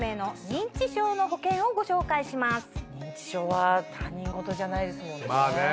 認知症は他人ごとじゃないですもんね。